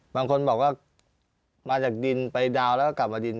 บางคนบอกว่ามาจากดินไปดาวแล้วก็กลับมาดิน